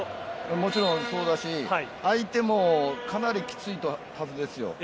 もちろんそうだし相手もかなりきついはずです。